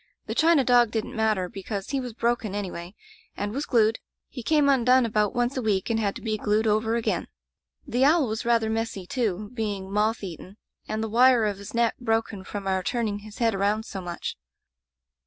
The china dog didn't matter, because he was broken, anyway, and was glued. He came undone about once a week and had to be glued over again. The owl was rather messy, too, being moth eaten, Digitized by LjOOQ IC A Dispensation and the wire of his neck broken from our turning his head around so much.